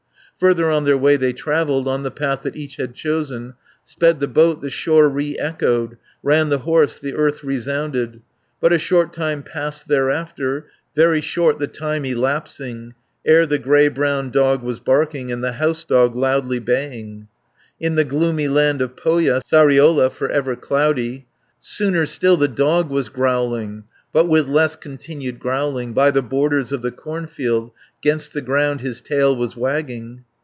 470 Further on their way they travelled, On the path that each had chosen; Sped the boat, the shore re echoed, Ran the horse, the earth resounded. But a short time passed thereafter, Very short the time elapsing, Ere the grey brown dog was barking, And the house dog loudly baying, In the gloomy land of Pohja, Sariola, for ever cloudy, 480 Sooner still the dog was growling, But with less continued growling, By the borders of the cornfield, 'Gainst the ground his tail was wagging.